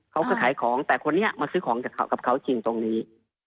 เขาก็ขายของแต่คนนี้มาซื้อของกับเขาจริงตรงนี้